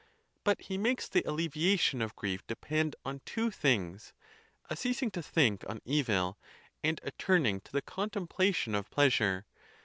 But he makes the alle viation of grief depend on two things—a ceasing to think on evil, and a turning to the contemplation of pleasure.